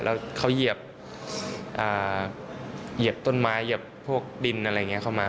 แล้วเขาเหยียบต้นไม้เหยียบพวกดินอะไรอย่างนี้เข้ามา